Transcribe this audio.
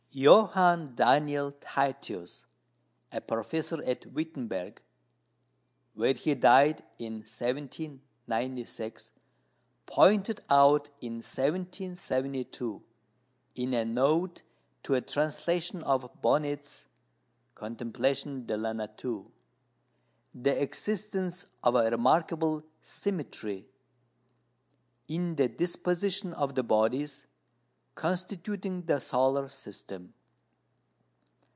Johann Daniel Titius, a professor at Wittenberg (where he died in 1796), pointed out in 1772, in a note to a translation of Bonnet's Contemplation de la Nature, the existence of a remarkable symmetry in the disposition of the bodies constituting the solar system.